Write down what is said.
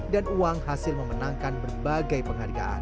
uang hasil memenangkan berbagai penghargaan